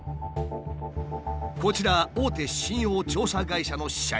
こちら大手信用調査会社の社員。